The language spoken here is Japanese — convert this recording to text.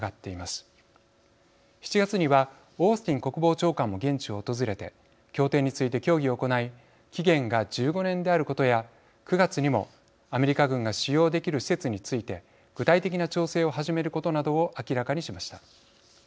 ７月にはオースティン国防長官も現地を訪れて協定について協議を行い期限が１５年であることや９月にもアメリカ軍が使用できる施設について具体的な調整を始めることなどを明らかにしました。